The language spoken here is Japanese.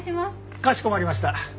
かしこまりました。